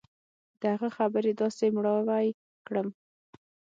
د هغه خبرې داسې مړاوى کړم.